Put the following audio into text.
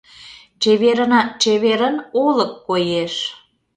Чеверынат-чеверын олык коеш.